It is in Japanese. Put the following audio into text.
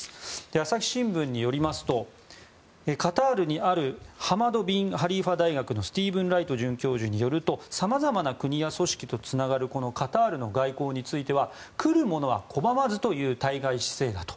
朝日新聞によりますとカタールにあるハマド・ビン・ハリーファ大学のスティーブン・ライト准教授によると様々な国や組織とつながるこのカタールの外交については来る者は拒まずという対外姿勢だと。